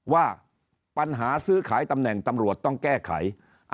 ว่าปัญหาซื้อขายตำแหน่งตำรวจต้องแก้ไข